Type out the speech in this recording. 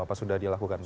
apa sudah dilakukan pak